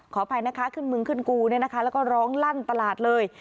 ขออภัยนะคะขึ้นมึงขึ้นกูแล้วก็ร้องลั่นตลาดเลย